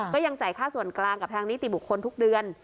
ก็ยังจ่ายค่าส่วนกลางกับทางนิติบุคคลทุกเดือน